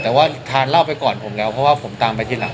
แต่ว่าทานเหล้าไปก่อนผมแล้วเพราะว่าผมตามไปทีหลัง